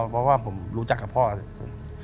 เพราะว่าผมรู้จักกับพ่อ